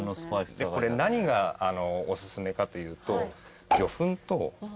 これ何がおすすめかというと。